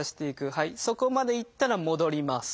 そこまで行ったら戻ります。